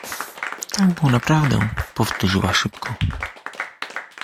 — Tak, były naprawdę! — powtórzyła szybko.